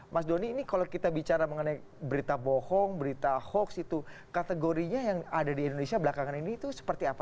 mas doni ini kalau kita bicara mengenai berita bohong berita hoax itu kategorinya yang ada di indonesia belakangan ini itu seperti apa